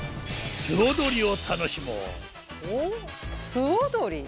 素踊り。